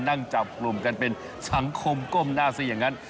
นั่งจับกลุ่มกันเป็นสังคมก้มหน้าซะอย่างนั้น